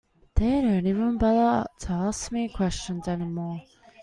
They don't even bother to ask me questions any more.